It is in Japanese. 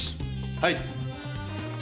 はい。